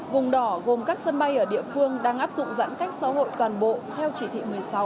vùng đỏ gồm các sân bay ở địa phương đang áp dụng giãn cách xã hội toàn bộ theo chỉ thị một mươi sáu